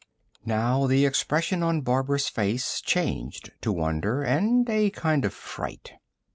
Now the expression on Barbara's face changed, to wonder and a kind of fright.